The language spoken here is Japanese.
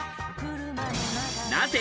なぜ？